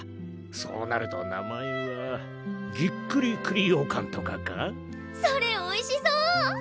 そうなると名前は「ぎっくり栗ようかん」とかか？それおいしそう！